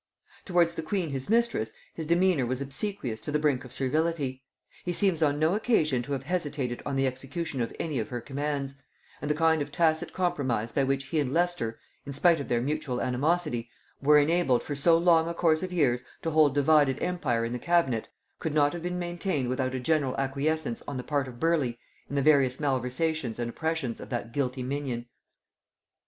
Towards the queen his mistress, his demeanor was obsequious to the brink of servility; he seems on no occasion to have hesitated on the execution of any of her commands; and the kind of tacit compromise by which he and Leicester, in spite of their mutual animosity, were enabled for so long a course of years to hold divided empire in the cabinet, could not have been maintained without a general acquiescence on the part of Burleigh in the various malversations and oppressions of that guilty minion.